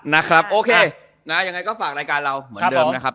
นะครับโอเคนะยังไงก็ฝากรายการเราเหมือนเดิมนะครับ